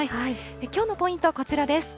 きょうのポイント、こちらです。